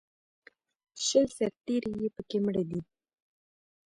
شل سرتېري یې په کې مړه دي